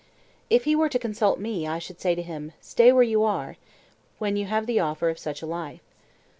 If he were to consult me, I should say to him: Stay where you are, when you have the offer of such a life.